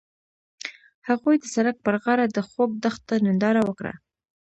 هغوی د سړک پر غاړه د خوږ دښته ننداره وکړه.